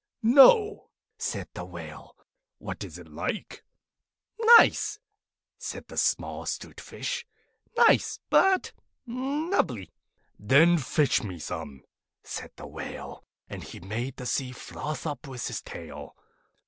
'No,' said the Whale. 'What is it like?' 'Nice,' said the small 'Stute Fish. 'Nice but nubbly.' 'Then fetch me some,' said the Whale, and he made the sea froth up with his tail.